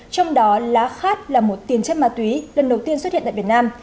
trong đó lá khát là một tiền chất ma túy lần đầu tiên xuất hiện tại việt nam